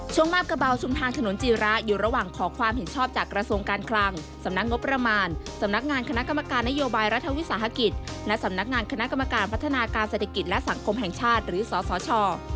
มาบกระเบาชุมทางถนนจีระอยู่ระหว่างขอความเห็นชอบจากกระทรวงการคลังสำนักงบประมาณสำนักงานคณะกรรมการนโยบายรัฐวิสาหกิจและสำนักงานคณะกรรมการพัฒนาการเศรษฐกิจและสังคมแห่งชาติหรือสสช